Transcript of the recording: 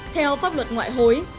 theo pháp luật ngoại hối